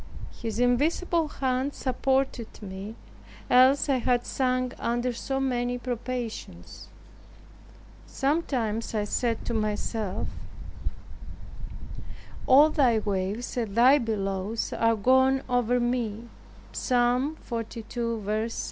His invisible hand supported me; else I had sunk under so many probations. Sometimes I said to myself, "All thy waves and thy billows are gone over me," (Psa.